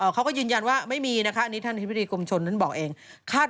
เขาก็ยืนยันว่าไม่มีนะคะ